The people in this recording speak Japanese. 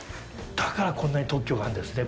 だからこんなに特許があるんですね